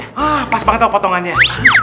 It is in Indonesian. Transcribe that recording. hah pas banget tau potongannya